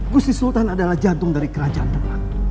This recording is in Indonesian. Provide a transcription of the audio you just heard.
gusti sultan adalah jantung dari kerajaan terbang